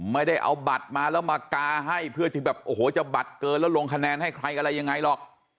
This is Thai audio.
ไม่ได้เอาบัตรมาแล้วมากาให้เพื่อที่แบบโอ้โหจะบัตรเกินแล้วลงคะแนนให้ใครอะไรยังไงหรอก